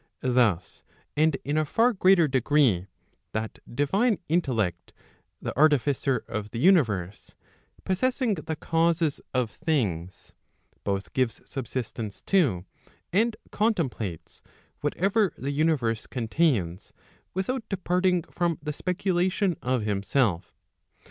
Thus, and in a far greater degree, that divine intellect the artificer of the universe, possessing the causes of things, both gives subsistence to, and contemplates, whatever the universe contains without departing from the speculation of himself.